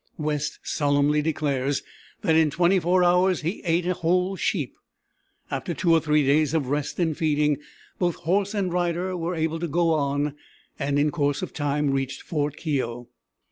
West solemnly declares that in twenty four hours he ate a whole sheep. After two or three days of rest and feeding both horse and rider were able to go on, and in course of time reached Fort Keogh.